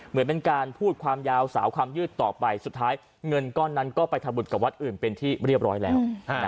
เหมือนเป็นการพูดความยาวสาวความยืดต่อไปสุดท้ายเงินก้อนนั้นก็ไปทำบุญกับวัดอื่นเป็นที่เรียบร้อยแล้ว